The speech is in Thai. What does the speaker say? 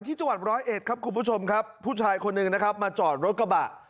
ที่จังหวัด๑๐๑ครับคุณผู้ชมครับผู้ชายคนหนึ่งมาจอดรถกะบะ